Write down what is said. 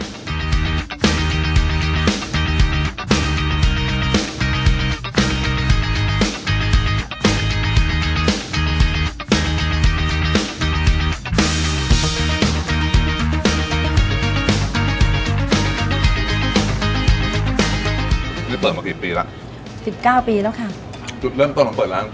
นี่เปิดมากี่ปีแล้วสิบเก้าปีแล้วค่ะจุดเริ่มต้นของเปิดร้าน